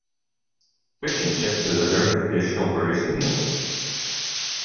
Fish and chips is a very traditional British meal